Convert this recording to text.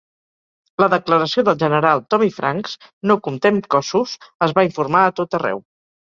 La declaració del general Tommy Franks "no comptem cossos" es va informar a tot arreu.